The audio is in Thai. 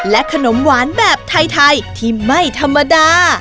ขนมหวานแบบไทยที่ไม่ธรรมดา